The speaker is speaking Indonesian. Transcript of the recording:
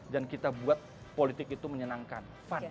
dan kita buat politik itu menyenangkan